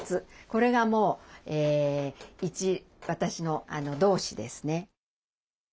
これがもう一私の同志ですね。